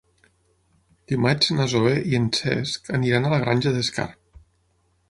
Dimarts na Zoè i en Cesc aniran a la Granja d'Escarp.